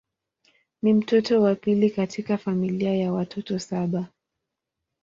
Ni mtoto wa pili katika familia ya watoto saba.